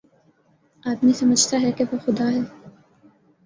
آدمی سمجھتا ہے کہ وہ خدا ہے